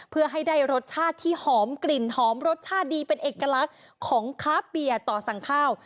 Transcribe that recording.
เพื่อให้ได้รสชาติที่หอมกลิ่นหอมรสชาติดีเป็นเอกลักษณ์ของค้าเปียต่อสั่งข้าว